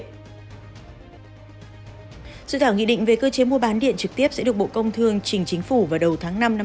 dự thảo nghị định về cơ chế mua bán điện trực tiếp sẽ được bộ công thương trình chính phủ vào đầu tháng năm năm hai nghìn hai mươi